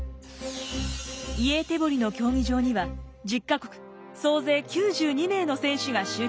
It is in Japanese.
イエーテボリの競技場には１０か国総勢９２名の選手が集結。